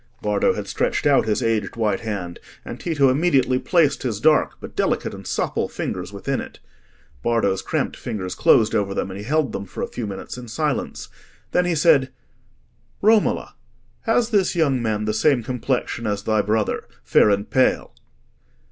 Bardo had stretched out his aged white hand, and Tito immediately placed his dark but delicate and supple fingers within it. Bardo's cramped fingers closed over them, and he held them for a few minutes in silence. Then he said— "Romola, has this young man the same complexion as thy brother—fair and pale?"